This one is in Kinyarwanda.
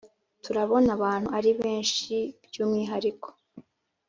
turabona abantu ari benshi by’umwihariko